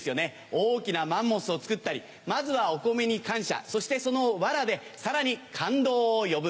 大きなマンモスを作ったりまずはお米に感謝そしてそのわらでさらに感動を呼ぶ。